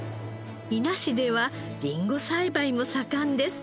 伊那市ではりんご栽培も盛んです。